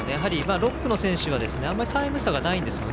６区の選手はあまりタイム差がないんですよね。